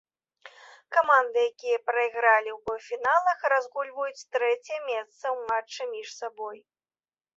Каманды, якія прайгралі ў паўфіналах, разгульваюць трэцяе месца ў матчы паміж сабой.